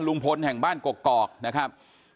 ลุงพลแห่งบ้านกกอกนะครับ